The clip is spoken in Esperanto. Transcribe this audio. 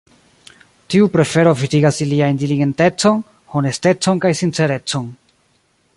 Tiu prefero vidigas iliajn diligentecon, honestecon kaj sincerecon.